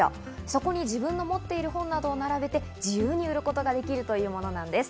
そこに自分の持っている本などを並べて、自由に売ることができるというものなんです。